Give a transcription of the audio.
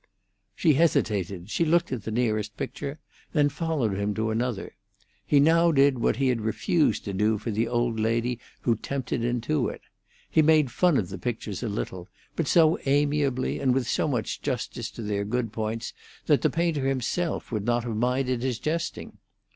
She hesitated; she looked at the nearest picture, then followed him to another. He now did what he had refused to do for the old lady who tempted him to it; he made fun of the pictures a little, but so amiably and with so much justice to their good points that the painter himself would not have minded his jesting.